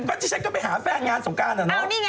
ไม่กูพี่อย่าหวงแฟนงานสงกรานอ่าเนอะ